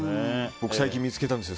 僕、最近見つけたんですよ